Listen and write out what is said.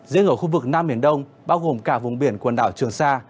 riêng ở khu vực nam biển đông bao gồm cả vùng biển quần đảo trường sa